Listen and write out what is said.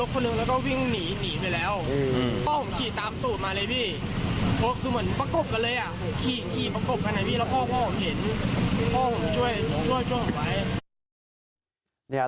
พอผมค่าผมเห็น